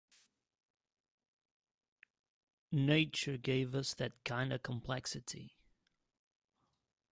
Nature gave us that kinda complexity.